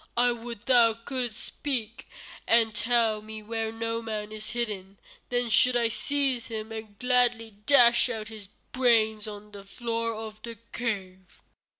I would thou couldst speak and tell me where Noman is hidden. Then should I seize him and gladly dash out his brains on the floor of the cave."